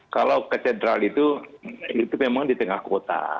kalau katedral itu itu memang di tengah kota